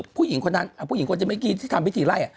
ผู้หญิงคนนั้นผู้หญิงคนที่ทำวิธีไล่